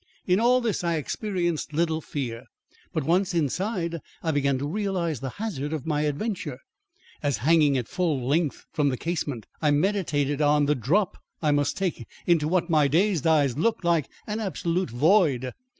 In all this I experienced little fear, but once inside, I began to realise the hazard of my adventure, as hanging at full length from the casement, I meditated on the drop I must take into what to my dazed eyes looked like an absolute void.